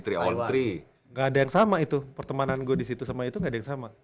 tidak ada yang sama itu pertemanan gue disitu sama itu gak ada yang sama